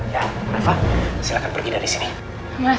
ya reva silahkan pergi dari sini mas